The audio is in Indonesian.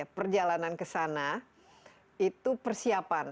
perjalanan ke sana itu persiapan